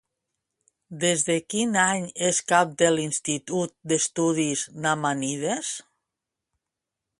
Des de quin any és cap de l'Institut d'Estudis Nahmànides?